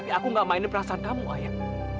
tapi aku gak mainin perasaan kamu ayah